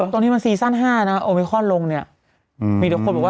ตรงที่มันซีซั่นห้านะโอเมคคอลลงเนี้ยอืมมีเดี๋ยวคนบอกว่า